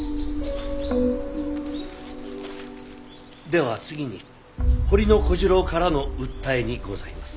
では次に掘小次朗からの訴えにございます。